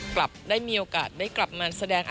กลับได้มีโอกาสได้กลับมาแสดง